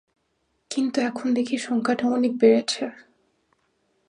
কিন্তু এখন দেখি সংখ্যাটা অনেক বেড়েছে।